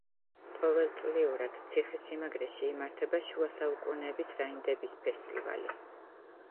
ყოველწლიურად ციხესიმაგრეში იმართება შუა საუკუნეების რაინდების ფესტივალი.